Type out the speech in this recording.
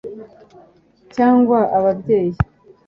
cyangwa ababyeyi